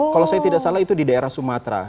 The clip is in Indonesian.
kalau saya tidak salah itu di daerah sumatera